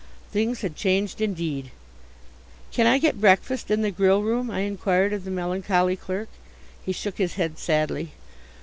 Things had changed indeed. "Can I get breakfast in the grill room?" I inquired of the melancholy clerk. He shook his head sadly.